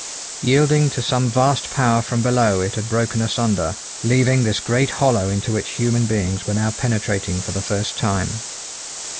Yielding to some vast power from below it had broken asunder, leaving this great hollow into which human beings were now penetrating for the first time.